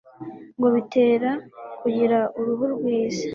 ngo bitera kugira uruhu rwiza